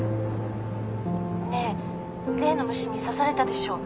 ねえ例の虫に刺されたでしょ？